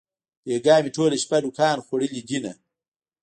بېگاه مې ټوله شپه نوکان خوړلې دينه